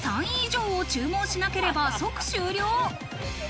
３位以上を注文しなければ即終了。